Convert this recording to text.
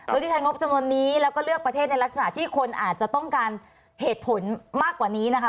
โดยที่ใช้งบจำนวนนี้แล้วก็เลือกประเทศในลักษณะที่คนอาจจะต้องการเหตุผลมากกว่านี้นะคะ